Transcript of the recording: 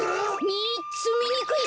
みっつみにくい